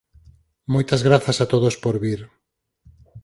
Moitas grazas a todos por vir.